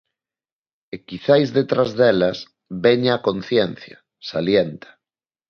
E quizais detrás delas veña a conciencia, salienta.